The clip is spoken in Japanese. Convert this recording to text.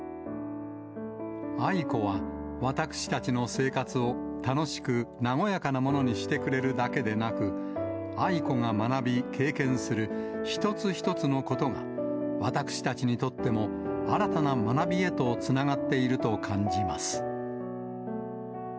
愛子は、私たちの生活を楽しく和やかなものにしてくれるだけでなく、愛子が学び、経験する一つ一つのことが、私たちにとっても新たな学びへとつながっていると感じます。